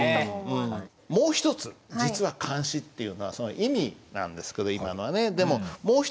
もう一つ実は漢詩っていうのはその意味なんですけど今のはね。